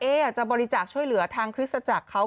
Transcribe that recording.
อยากจะบริจาคช่วยเหลือทางคริสตจักรเขา